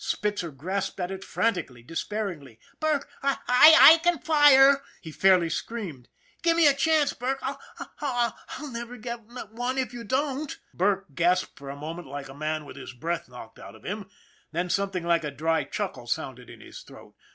Spitzer grasped at it frantically, despairingly. " Burke, I can fire," he fairly screamed. " Give me a chance, Burke. I'll never get one if you don't." Burke gasped for a moment like a man with his breath knocked out of him, then something like a dry chuckle sounded in his throat.